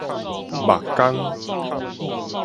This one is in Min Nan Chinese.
木工